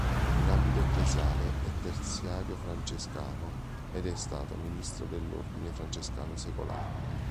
In ambito ecclesiale, è terziario francescano, ed è stato Ministro dell'Ordine Francescano Secolare.